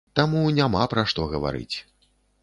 Таму няма пра што гаварыць.